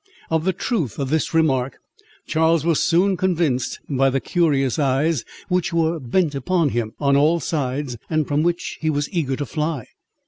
Of the truth of this remark Charles was soon convinced by the curious eyes which were bent upon him, on all sides, and from which he was eager to fly.